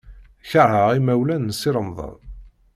Keṛheɣ imawlan n Si Remḍan.